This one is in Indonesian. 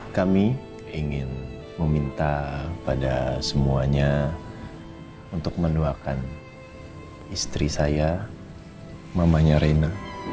kami ingin meminta pada semuanya untuk mendoakan istri saya mamanya reina